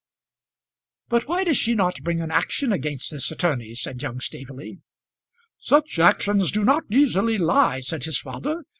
"But why does she not bring an action against this attorney?" said young Staveley. "Such actions do not easily lie," said his father.